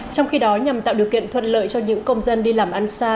trong khi đó nhằm tạo điều kiện thuận lợi cho những công dân đi làm ăn xa